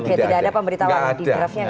tidak ada pemberitahuan di draft nya